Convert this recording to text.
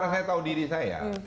saya tahu diri saya